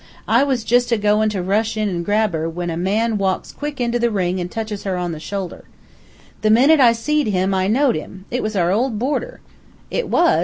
I was jus' agoin' to rush in an' grab her when a man walks quick into the ring and touches her on the shoulder. The minute I seed him I knowed him. It was our old boarder!" "It was?"